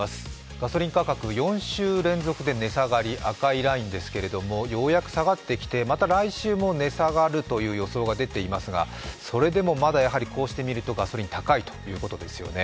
ガソリン価格４週連続で値下がり、赤いラインですけれどもようやく下がってきてまた来週も値下がるという予想が出ていますがそれでもまだこうして見るとガソリン高いということですよね。